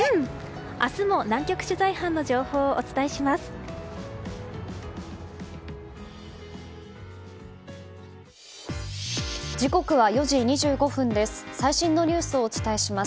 明日も南極取材班の情報をお伝えします。